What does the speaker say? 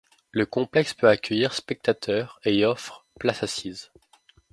Le complexe peut accueillir spectateurs et offre places assises.